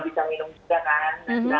puasa empat tahun belakangan ini selalu sama